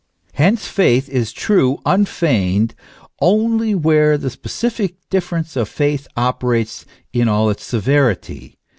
Hence faith is true, unfeigned, only where the specific difference of faith operates in all its severity.